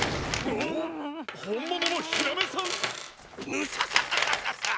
ムササササササ！